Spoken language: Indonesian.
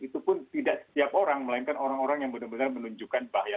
itu pun tidak setiap orang melainkan orang orang yang benar benar menunjukkan bahaya